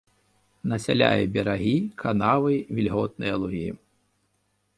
Насяляе берагі, канавы, вільготныя лугі.